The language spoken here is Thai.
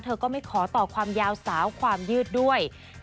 ก็ไม่ขอต่อความยาวสาวความยืดด้วย